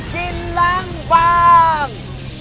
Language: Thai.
กินล้างบาง